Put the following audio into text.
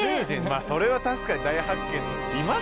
まあそれは確かに大発見いますか？